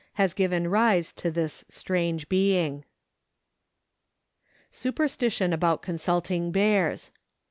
has given rise to this strange being. Superstition about Consulting Bears.